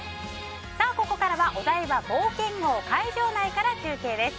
さあ、ここからはお台場冒険王会場内から中継です。